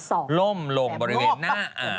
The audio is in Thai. ร่มลงโรงตัวเลือดหน้าอ่าว